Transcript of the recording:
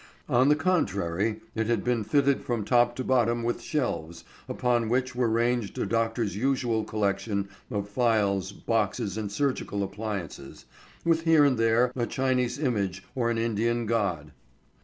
On the contrary it had been fitted from top to bottom with shelves, upon which were ranged a doctor's usual collection of phials, boxes, and surgical appliances, with here and there a Chinese image or an Indian god.